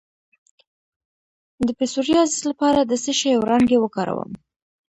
د پسوریازیس لپاره د څه شي وړانګې وکاروم؟